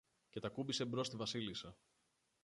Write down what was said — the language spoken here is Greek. και τ' ακούμπησε μπρος στη Βασίλισσα.